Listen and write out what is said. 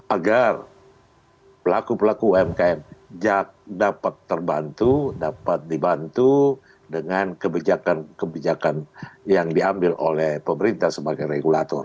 agar pelaku pelaku umkm dapat terbantu dapat dibantu dengan kebijakan kebijakan yang diambil oleh pemerintah sebagai regulator